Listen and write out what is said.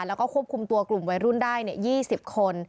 แล้วก็ควบคุมตัวกลุ่มวัยรุ่นได้๒๐คน